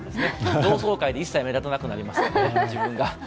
同窓会で一切目立たなくなりますからね。